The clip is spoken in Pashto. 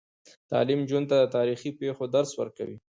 تعلیم نجونو ته د تاریخي پیښو درس ورکوي.